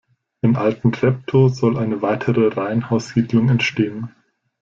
In Altentreptow soll eine weitere Reihenhaussiedlung entstehen.